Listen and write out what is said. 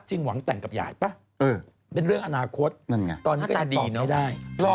หวังแต่งกับยายป่ะเป็นเรื่องอนาคตตอนนี้ก็ยังดีไม่ได้